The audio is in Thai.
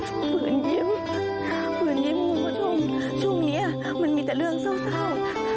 ฝืนยิ้มฝืนยิ้มคุณผู้ชมช่วงนี้มันมีแต่เรื่องเศร้า